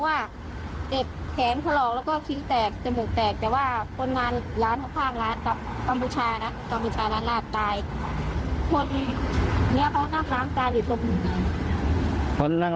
รถเขาก็มาเร็วเขากลบไม่ทันแหละที่แรกเขาจะหลบแล้วนะเขาหายไปไง